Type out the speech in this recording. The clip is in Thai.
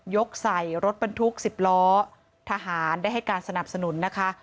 กใส่รถบรรทุก๑๐ล้อทหารได้ให้การสนับสนุนนะคะ